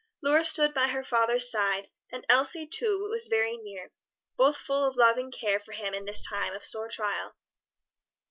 Lora stood by her father's side and Elsie too was very near, both full of loving care for him in this time of sore trial.